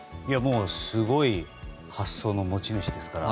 すごい発想の持ち主ですから。